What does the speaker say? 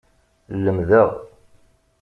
Lemdeɣ.